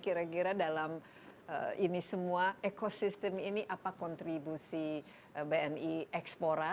kira kira dalam ini semua ekosistem ini apa kontribusi bni ekspora